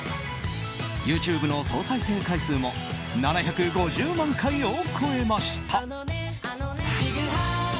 ＹｏｕＴｕｂｅの総再生回数も７５０万回を超えました。